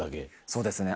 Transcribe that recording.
そうですね